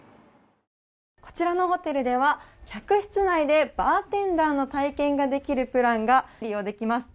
こちらのホテルでは客室内でバーテンダーの体験ができるプランが利用できます。